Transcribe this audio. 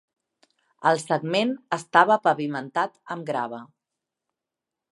El segment estava pavimentat amb grava.